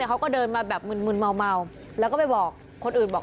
เขาก็เดินมาแบบมึนเมาแล้วก็ไปบอกคนอื่นบอก